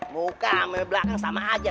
muka sama belakang sama aja